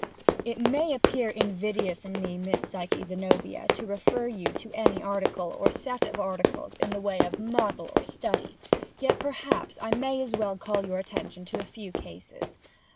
"It may appear invidious in me, Miss Psyche Zenobia, to refer you to any article, or set of articles, in the way of model or study, yet perhaps I may as well call your attention to a few cases.